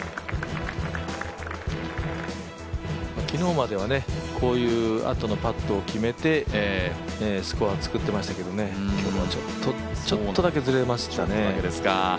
昨日まではねこういうあとのパットを決めてスコアを作ってましたけどね今日はちょっとだけずれましたね。